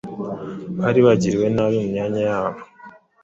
bari bagiriwe nabi mu mwanya wabo